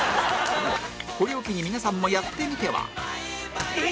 これを機に皆さんもやってみては？